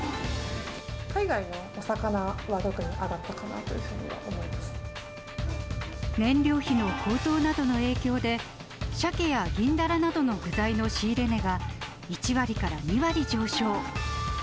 海外のお魚は特に上がったか燃料費の高騰などの影響で、シャケや銀ダラなどの具材の仕入れ値が、１割から２割上昇。